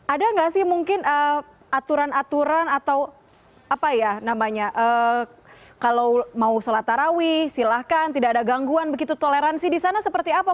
ada nggak sih mungkin aturan aturan atau apa ya namanya kalau mau sholat tarawih silahkan tidak ada gangguan begitu toleransi di sana seperti apa